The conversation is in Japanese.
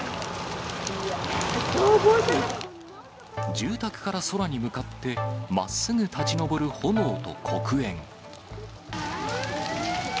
住宅から空に向かって、まっすぐ立ち上る炎と黒煙。